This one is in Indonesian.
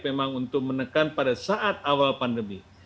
memang untuk menekan pada saat awal pandemi